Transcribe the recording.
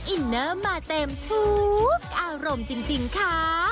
อินเนอร์มาเต็มทุกอารมณ์จริงค่ะ